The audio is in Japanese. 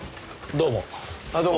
どうも。